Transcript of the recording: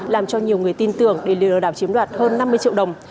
làm cho nhiều người tin tưởng để lừa đảo chiếm đoạt hơn năm mươi triệu đồng